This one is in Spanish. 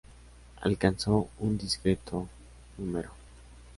Alcanzó un discreto No.